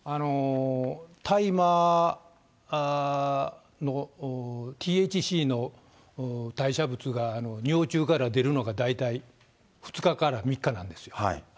大麻のＴＨＣの代謝物が尿中から出るのが大体２日から３日なんですよ。